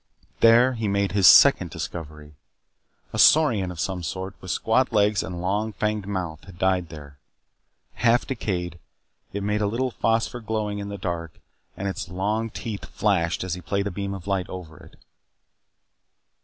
There he made his second discovery. A saurian of some sort, with squat legs and long, fanged mouth, had died there. Half decayed, it made a little phosphor glowing in the dark and its long teeth flashed as he played a beam of light over it.